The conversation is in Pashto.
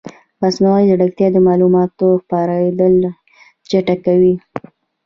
مصنوعي ځیرکتیا د معلوماتو خپرېدل چټکوي.